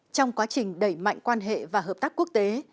trong quá trình đẩy mạnh quan hệ và hợp tác quốc tế